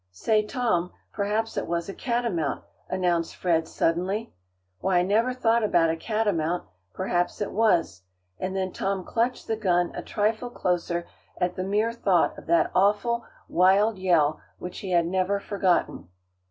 "Say, Tom, perhaps it was a catamount," announced Fred, suddenly. "Why, I never thought about a catamount; perhaps it was," and then Tom clutched the gun a trifle closer at the mere thought of that awful, wild yell, which he had never forgotten.